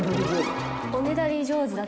おねだり上手？